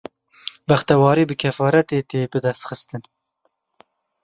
Bextewarî bi keferatê tê bidestxistin.